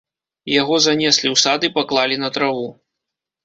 Яго занеслі ў сад і паклалі на траву.